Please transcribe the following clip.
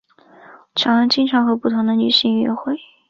乔恩经常和不同的女性约会。